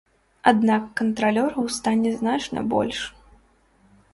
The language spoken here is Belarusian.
Аднак кантралёраў стане значна больш.